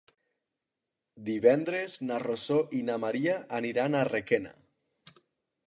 Divendres na Rosó i na Maria aniran a Requena.